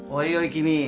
君。